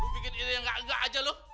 lo bikin ide yang gak enggak aja lo